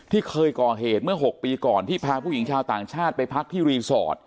ที่เคยก่อเหตุเมื่อ๖ปีก่อนที่พาผู้หญิงชาวต่างชาติไปพักที่รีสอร์ท